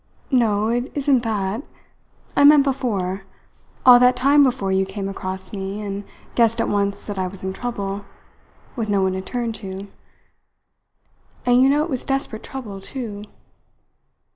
"No, it isn't that. I meant before all that time before you came across me and guessed at once that I was in trouble, with no one to turn to. And you know it was desperate trouble too."